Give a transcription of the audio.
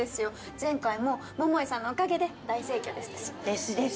前回も桃井さんのおかげで大盛況でしたしですです